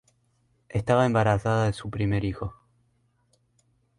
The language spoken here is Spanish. Estaba embarazada de su primer hijo.